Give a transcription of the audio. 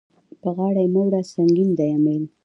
په غاړه يې مه وړه سنګين دی امېل.